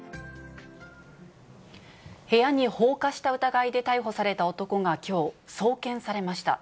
部屋に放火した疑いで逮捕された男がきょう、送検されました。